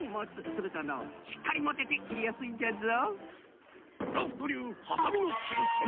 するとのうしっかりもてて切りやすいんじゃぞ。